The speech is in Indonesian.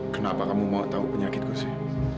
kenapa kamu mau tau penyakitku sih